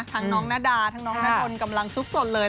ทั้งน้องนาดาทางน้องนาฅลกำลังซุกสนเลย